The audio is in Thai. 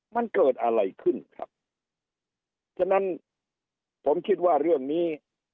มันเกิดอะไรขึ้นครับฉะนั้นผมคิดว่าเรื่องนี้